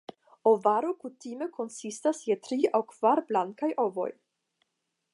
Ovaro kutime konsistas je tri aŭ kvar blankaj ovoj.